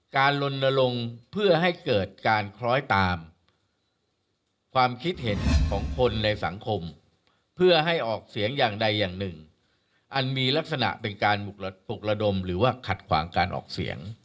ลนลงเพื่อให้เกิดการคล้อยตามความคิดเห็นของคนในสังคมเพื่อให้ออกเสียงอย่างใดอย่างหนึ่งอันมีลักษณะเป็นการถกระดมหรือว่าขัดขวางการออกเสียง